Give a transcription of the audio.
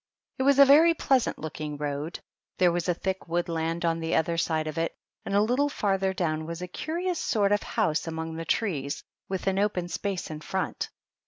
It was a very pleasant looking road; there was a thick woodland on the other side of it, and a little farther down was a curious sort of house among the trees, with an open space in front.